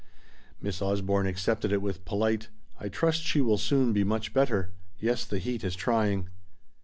Miss Osborne accepted it with polite, "I trust she will soon be much better. Yes, the heat is trying."